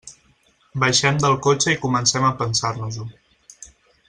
Baixem del cotxe i comencem a pensar-nos-ho.